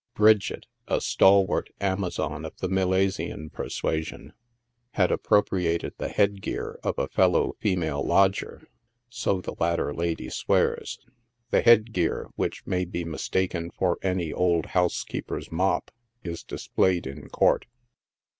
Bridget, a stalwarth Amazon of the Milesian persuasion, had appro priated the head gear of a fellow female lodger, so the latter lady swears. The head gear, which may be mistaken for any old house keeper's mop, is displayed in court.